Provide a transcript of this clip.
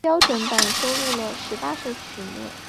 标准版收录了十八首曲目。